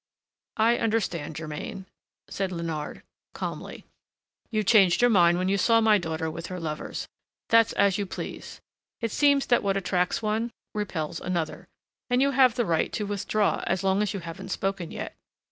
"I understand, Germain," said Léonard calmly; "you changed your mind when you saw my daughter with her lovers. That's as you please. It seems that what attracts one repels another, and you have the right to withdraw as long as you haven't spoken yet.